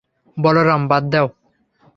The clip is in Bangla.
বলরাম, বাদ দাও।